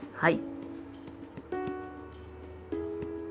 はい。